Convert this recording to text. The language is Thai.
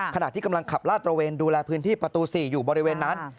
ขณะที่กำลังขับลาดตระเวนดูแลพื้นที่ประตู๔อยู่บริเวณนั้น